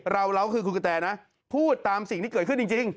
เราคือคุณกะแตนะพูดตามสิ่งที่เกิดขึ้นจริง